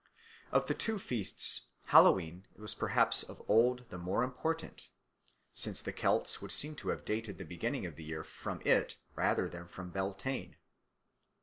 Of the two feasts Hallowe'en was perhaps of old the more important, since the Celts would seem to have dated the beginning of the year from it rather than from Beltane.